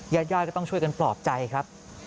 ยาดก็ต้องช่วยกันปลอบใจครับ